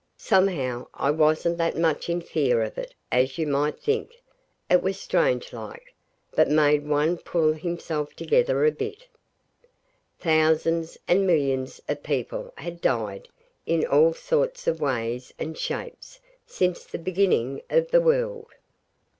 Somehow I wasn't that much in fear of it as you might think; it was strange like, but made one pull himself together a bit. Thousands and millions of people had died in all sorts of ways and shapes since the beginning of the world.